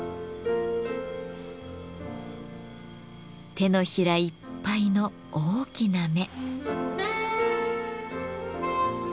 手のひらいっぱいの大きな目。